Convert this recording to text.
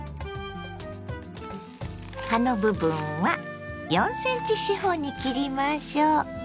葉の部分は４ｃｍ四方に切りましょ。